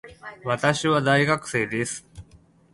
私は大学生です。